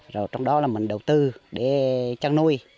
rồi trong đó là mình đầu tư để chăn nuôi